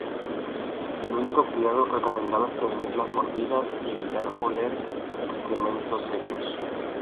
El único cuidado recomendado es prevenir las mordidas y evitar oler excrementos secos.